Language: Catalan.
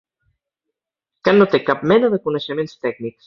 Que no té cap mena de coneixements tècnics.